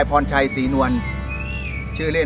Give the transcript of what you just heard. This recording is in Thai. โชคชะตาโชคชะตา